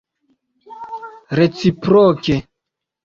reciproke